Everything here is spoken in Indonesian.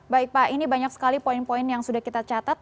baik pak ini banyak sekali poin poin yang sudah kita catat